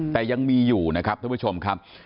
แต่ยังมีอยู่นะครับท่านผู้ชมครับ